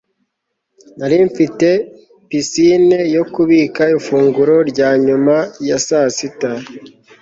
nari mfite pisine yo kubika ifunguro rya nyuma ya saa sita